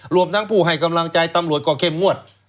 รวมทั้งผู้ให้กำลังใจตำรวจก็เข้มงวด